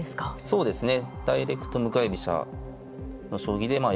そうですね。